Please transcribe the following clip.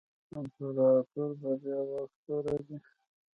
امپراتور به بیا واک ته راځي.